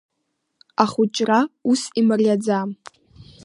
Ахәыҷра, ус имариаӡам.